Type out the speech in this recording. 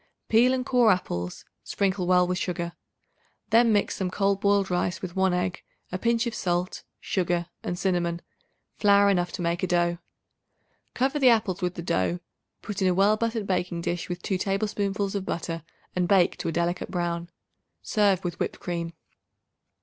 Peel and core apples; sprinkle well with sugar. Then mix some cold boiled rice with 1 egg, a pinch of salt, sugar and cinnamon, flour enough to make a dough. Cover the apples with the dough; put in a well buttered baking dish with 2 tablespoonfuls of butter and bake to a delicate brown. Serve with whipped cream.